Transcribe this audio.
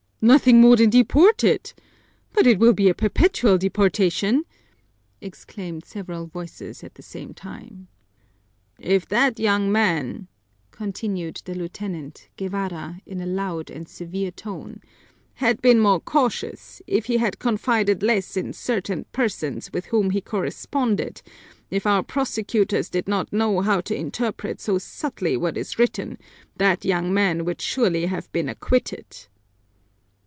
Nothing more than deported? But it will be a perpetual deportation!" exclaimed several voices at the same time. "If that young man," continued the lieutenant, Guevara, in a loud and severe tone, "had been more cautious, if he had confided less in certain persons with whom he corresponded, if our prosecutors did not know how to interpret so subtly what is written, that young man would surely have been acquitted."